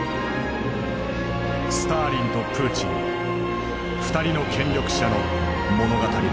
スターリンとプーチン２人の権力者の物語である。